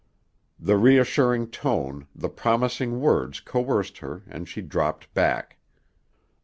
The reassuring tone, the promising words coerced her and she dropped back.